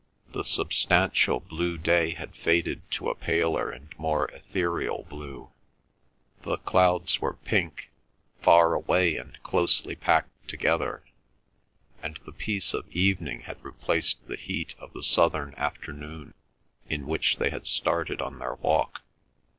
The substantial blue day had faded to a paler and more ethereal blue; the clouds were pink, far away and closely packed together; and the peace of evening had replaced the heat of the southern afternoon, in which they had started on their walk.